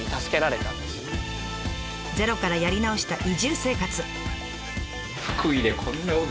ゼロからやり直した移住生活。